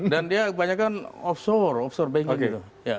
dan dia kebanyakan offshore offshore bank gitu